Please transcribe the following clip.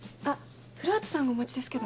古畑さんがお待ちですけど。